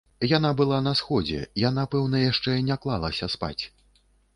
Яна была на сходзе, яна пэўна яшчэ не клалася спаць.